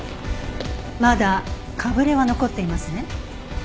まだかぶれは残っていますね？